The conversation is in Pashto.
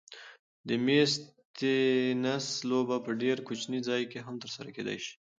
د مېز تېنس لوبه په ډېر کوچني ځای کې هم ترسره کېدای شي.